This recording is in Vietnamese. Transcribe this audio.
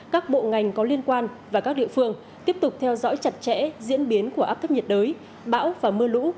các bộ ngành có liên quan và các địa phương tiếp tục theo dõi chặt chẽ diễn biến của áp thấp nhiệt đới bão và mưa lũ